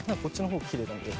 こっちの方がきれい。